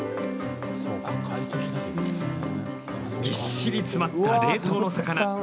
ぎっしり詰まった冷凍の魚。